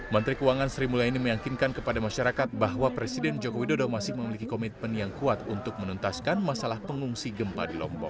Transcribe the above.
menteri keuangan sri mulyani meyakinkan kepada masyarakat bahwa presiden joko widodo masih memiliki komitmen yang kuat untuk menuntaskan masalah pengungsi gempa di lombok